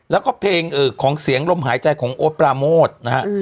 แล้วก็เพลงของเสียงลมหายใจของโอ๊ตปราโมทนะฮะ